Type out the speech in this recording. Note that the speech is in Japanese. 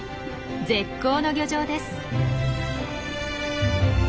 絶好の漁場です。